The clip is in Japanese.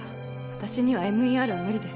私には ＭＥＲ は無理です